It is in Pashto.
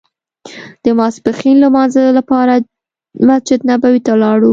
د ماسپښین لمانځه لپاره مسجد نبوي ته لاړو.